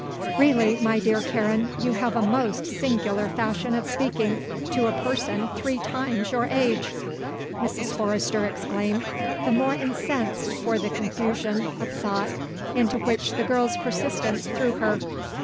"Really, my dear Karen, you have a most singular fashion of speaking to a person three times your age!" Mrs. Forrester exclaimed, the more incensed for the confusion of thought into which the girl's persistence threw her.